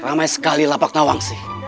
ramai sekali lapak nawang sih